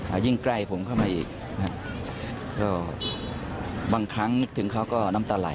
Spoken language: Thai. ยิ่งใกล้ผมเข้ามาอีกนะฮะก็บางครั้งนึกถึงเขาก็น้ำตาไหล